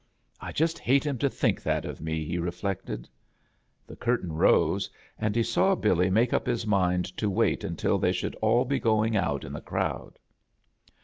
"I just bate him to think that of me," he reflected. The curtain rose, and he saw BiUy make up his mind to wait until they should all he goii^ out in the crowd.